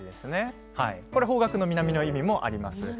これ、方角の「南」の意味もあります。